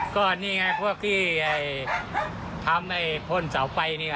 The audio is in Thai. ก็นี่ไงพวกที่ทำไอ้พ่นเสาไฟนี่